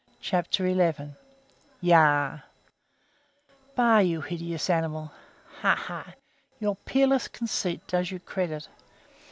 CHAPTER ELEVEN Yah! "Bah, you hideous animal! Ha ha! Your peerless conceit does you credit.